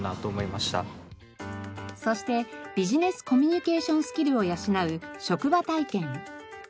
そしてビジネスコミュニケーションスキルを養う職場体験。